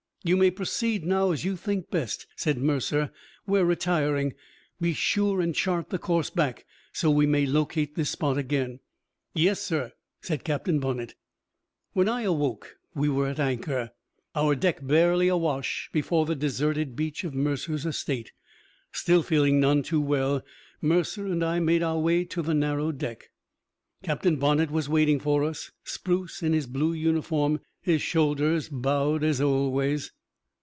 "You may proceed now as you think best," said Mercer. "We're retiring. Be sure and chart the course back, so we may locate this spot again." "Yes, sir!" said Captain Bonnett. When I awoke we were at anchor, our deck barely awash, before the deserted beach of Mercer's estate. Still feeling none too well, Mercer and I made our way to the narrow deck. Captain Bonnett was waiting for us, spruce in his blue uniform, his shoulders bowed as always.